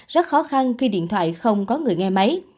rất khó khăn khi điện thoại không có người nghe máy